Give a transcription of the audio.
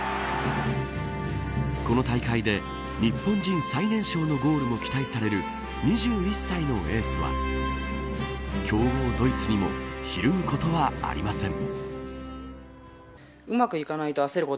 この大会で、日本人最年少のゴールも期待される２１歳のエースは強豪ドイツにもひるむことはありません。